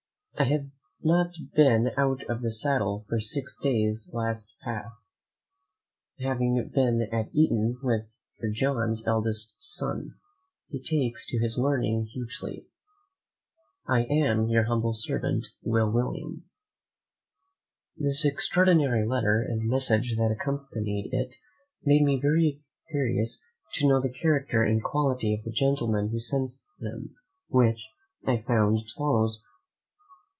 I have not been out of the saddle for six days last past, having been at Eaton with Sir John's eldest son. He takes to his learning hugely. "I am, Sir, your humble servant, "Will Wimble." This extraordinary letter, and message that accompanied it, made me very curious to know the character and quality of the gentleman who sent them; which I found to be as follows.